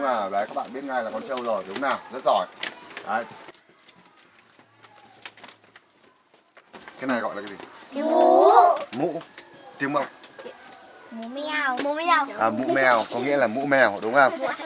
à mũ mèo có nghĩa là mũ mèo đúng không